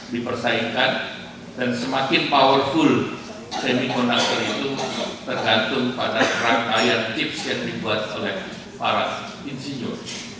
dipertahankan dan semakin powerful semiconductor itu tergantung pada rangkaian chips yang dibuat oleh para insinyur